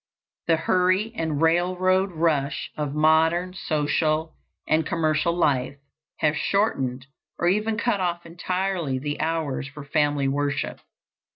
The hurry and railroad rush of modern social and commercial life have shortened or even cut off entirely the hours for family worship.